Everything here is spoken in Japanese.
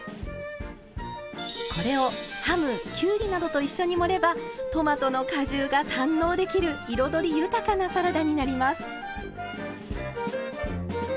これをハムキュウリなどと一緒に盛ればトマトの果汁が堪能できる彩り豊かなサラダになります。